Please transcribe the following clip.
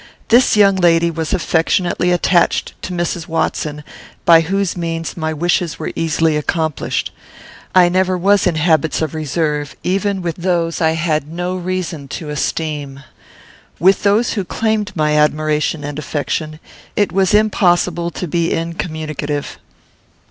This young lady was affectionately attached to Mrs. Watson, by whose means my wishes were easily accomplished. I never was in habits of reserve, even with those whom I had no reason to esteem. With those who claimed my admiration and affection, it was impossible to be incommunicative.